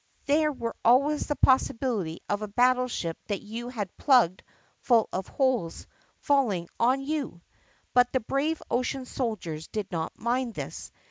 There was always the possibility of a battle ship that you had plugged full of holes falling on you. But the brave ocean soldiers did not mind this.